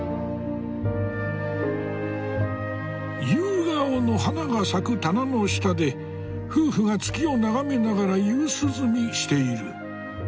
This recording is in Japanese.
夕顔の花が咲く棚の下で夫婦が月を眺めながら夕涼みしている。